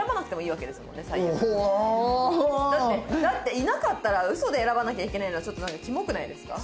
おお！だってだっていなかったらウソで選ばなきゃいけないのはちょっとキモくないですか？